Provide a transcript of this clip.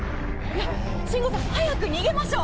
信五さん、早く逃げましょう！